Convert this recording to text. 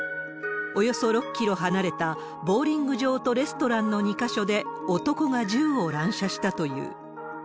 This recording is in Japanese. およそ６キロ離れたボウリング場とレストランの２か所で男が銃を乱射したという。